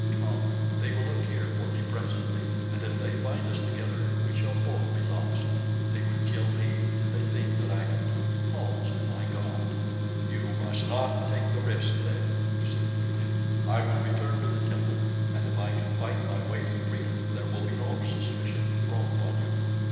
Come, they will look here for me presently, and if they find us together we shall both be lost—they would kill me did they think that I had proved false to my god." "You must not take the risk, then," he said quickly. "I will return to the temple, and if I can fight my way to freedom there will be no suspicion thrown upon you."